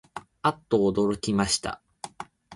あっとおどろきました